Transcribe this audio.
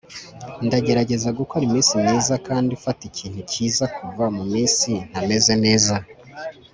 ndagerageza gukora iminsi myiza kandi mfata ikintu cyiza kuva muminsi ntameze neza